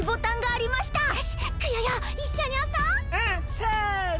せの。